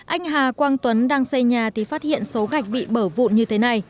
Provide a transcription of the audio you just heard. anh hà quang tuấn đang xây nhà thì phát hiện số gạch bị bở vụn như thế này